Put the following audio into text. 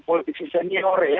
politik senior ya